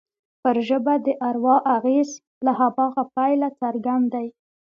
پر ژبه د اروا اغېز له هماغه پیله څرګند دی